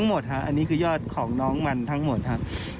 เอาจริงนะ